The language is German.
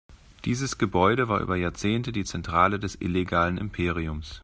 Dieses Gebäude war über Jahrzehnte die Zentrale des illegalen Imperiums.